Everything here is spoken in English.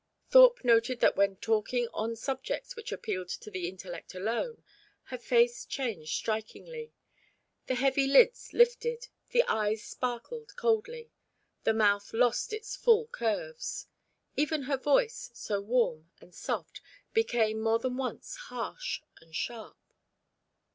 Thorpe noted that when talking on subjects which appealed to the intellect alone, her face changed strikingly: the heavy lids lifted, the eyes sparkled coldly, the mouth lost its full curves. Even her voice, so warm and soft, became, more than once, harsh and sharp.